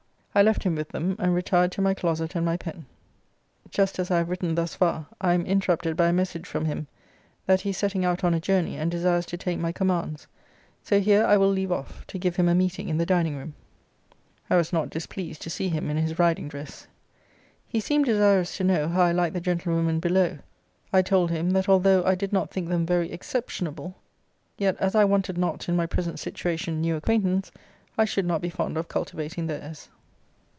I left him with them; and retired to my closet and my pen. Just as I have written thus far, I am interrupted by a message from him, that he is setting out on a journey, and desires to take my commands. So here I will leave off, to give him a meeting in the dining room. I was not displeased to see him in his riding dress. He seemed desirous to know how I liked the gentlewomen below. I told him, that although I did not think them very exceptionable; yet as I wanted not, in my present situation, new acquaintance, I should not be fond of cultivating theirs.